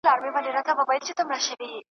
پر نازک بدن دی گرانی شگوفې د سېب تویېږی .